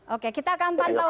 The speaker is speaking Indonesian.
oke kita akan pantau